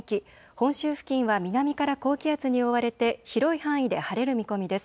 本州付近は南から高気圧に覆われて広い範囲で晴れる見込みです。